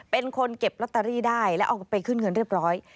เป็นคนเก็บลอตเตอรี่ได้แล้วเอาไปขึ้นเงินเรียบร้อย